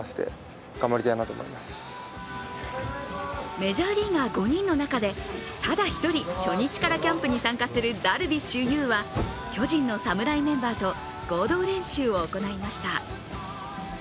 メジャーリーガー５人の中でただ一人初日からキャンプに参加するダルビッシュ有は巨人の侍メンバーと合同練習を行いました。